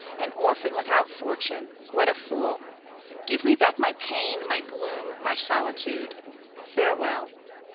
An orphan, without fortune! What a fool! Give back my pain, my gloom, my solitude! Farewell!